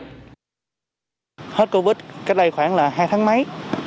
hết covid cái đây khoảng là hai tháng mấy